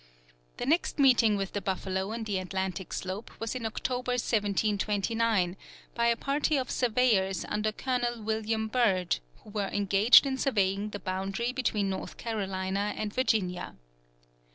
The next meeting with the buffalo on the Atlantic slope was in October, 1729, by a party of surveyors under Col. William Byrd, who were engaged in surveying the boundary between North Carolina and Virginia.